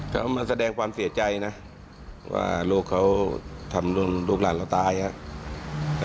ก็มาแสดงความเสียใจนะว่าลูกเขาทำลูกหลานเราตายครับ